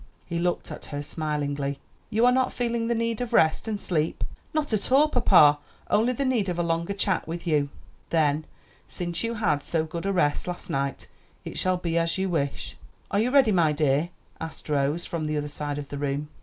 He looked at her smilingly. "You are not feeling the need of rest and sleep?" "Not at all, papa; only the need of a longer chat with you." "Then, since you had so good a rest last night, it shall be as you wish." "Are you ready, my dear?" asked Rose, from the other side of the room.